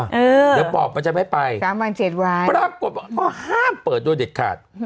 อื้อเดี๋ยวปอบมาจะไม่ไปสามวันเจ็ดวายประกฎว่าห้ามเปิดโดยเด็ดขาด